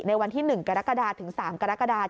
ในวันที่๑กรกฎาถึง๓กรกฎา